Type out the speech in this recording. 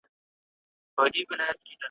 مساپر ستړي پر لار یو ګوندي راسي ,